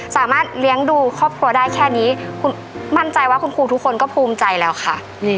สามารถเลี้ยงดูครอบครัวได้แค่นี้คุณมั่นใจว่าคุณครูทุกคนก็ภูมิใจแล้วค่ะ